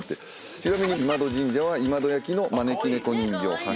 ちなみに今戸神社は今戸焼の招き猫人形発祥の地。